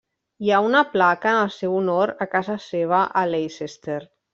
Hi ha una placa en el seu honor a casa seva a Leicester.